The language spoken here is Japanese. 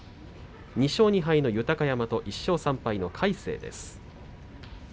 土俵上は２勝２敗の豊山１勝３敗の魁聖です。